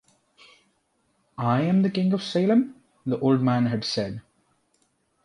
“I am the king of Salem?” the old man had said.